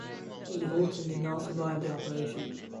Katie Holton did not survive the operation.